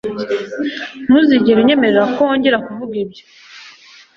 Ntuzigere unyemerera ko wongera kuvuga ibyo